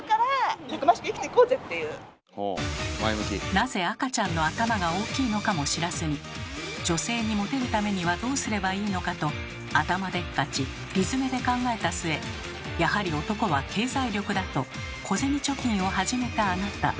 なぜ赤ちゃんの頭が大きいのかも知らずに女性にモテるためにはどうすればいいのかと頭でっかち理詰めで考えた末やはり男は経済力だと小銭貯金を始めたあなた。